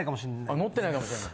のってないかもしれない。